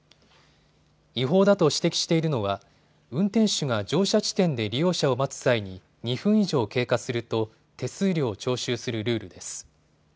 違法だと指摘しているのは運転手が乗車地点で利用者を待つ際に２分以上経過すると手数料を徴収するルールです。